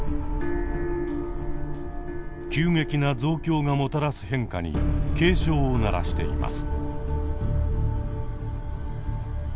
急激な増強がもたらす変化に警鐘を鳴らしています。